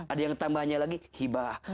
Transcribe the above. ada yang tambahnya lagi hibah